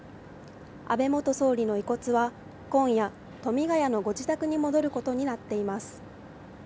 安倍元総理の遺骨は、今夜、富ヶ谷のご自宅に戻ることになっています。